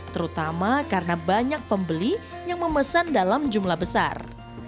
terutama karena banyak pembeli yang memesan dalam jumlah besar